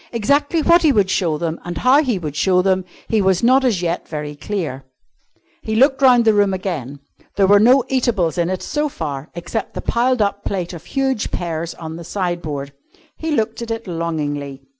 Exactly what he would show them and how he would show them, he was not as yet very clear. He looked round the room again. There were no eatables in it so far except the piled up plate of huge pears on the sideboard. He looked at it longingly.